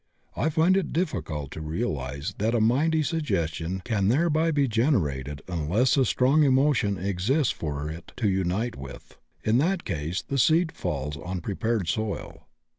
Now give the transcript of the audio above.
I find it difficult to realize that a mighty suggestion can thereby be generated unless a strong emotion exists for it to unite with; in that case the seed falls on prepared soil.